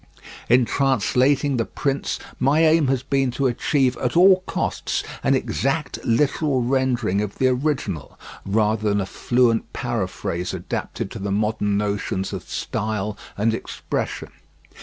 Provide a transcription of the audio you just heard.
In translating The Prince my aim has been to achieve at all costs an exact literal rendering of the original, rather than a fluent paraphrase adapted to the modern notions of style and expression.